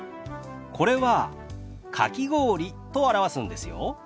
これは「かき氷」と表すんですよ。